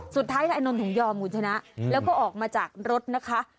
สุดท้ายนายอานนท์ถึงยอมคุณชนะแล้วก็ออกมาจากรถนะคะ